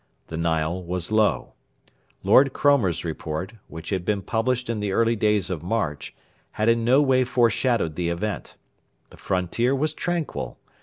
The Nile was low. Lord Cromer's report, which had been published in the early days of March, had in no way foreshadowed the event. The frontier was tranquil.